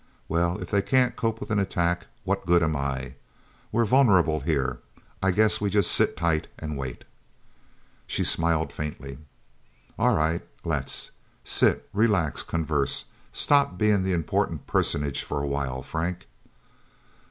Well, if they can't cope with an attack, what good am I? We're vulnerable, here. I guess we just sit tight and wait." She smiled faintly. "All right let's. Sit, relax, converse. Stop being the Important Personage for a while, Frank."